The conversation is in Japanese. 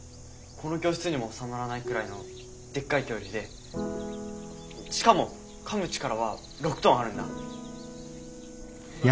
この教室にも収まらないくらいのでっかい恐竜でしかもかむ力は６トンあるんだ。